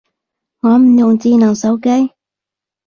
我唔用智能手機